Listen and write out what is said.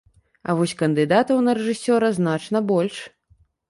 А вось кандыдатаў на рэжысёра значна больш.